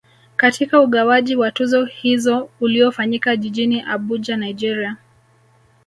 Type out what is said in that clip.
Katika ugawaji wa tuzo hizo uliofanyika jijini Abuja Nigeria